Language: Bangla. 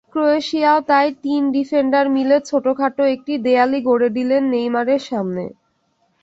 ক্রোয়েশিয়াও তাই তিন ডিফেন্ডার মিলে ছোটখাটো একটি দেয়ালই গড়ে দিলেন নেইমারের সামনে।